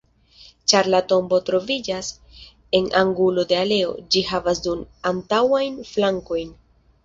Ĉar la tombo troviĝas en angulo de aleo, ĝi havas du antaŭajn flankojn.